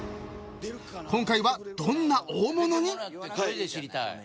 今回はどんな大物に。